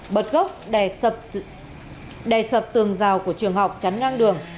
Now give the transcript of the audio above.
bật gốc đè sập tường rào của trường học chắn ngang đường